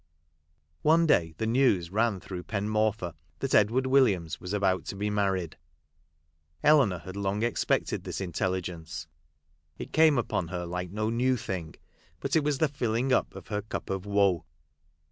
One day the news ran through Pen Morfa that Edward Williams was about to be mar ried. Eleanor had long expected this intelli gence. It came upon her like no new thing ; but it was the filling up of her cup of woe.